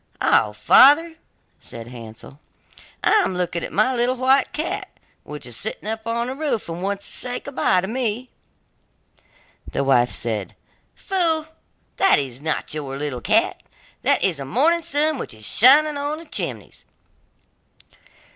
'Ah, father,' said Hansel, 'I am looking at my little white cat, which is sitting up on the roof, and wants to say goodbye to me.' The wife said: 'Fool, that is not your little cat, that is the morning sun which is shining on the chimneys.